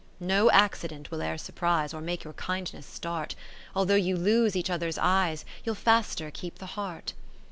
IX No accident will e'er surprise, Or make your kindness start ; Although you lose each other's eyes, You'll faster keep the heart.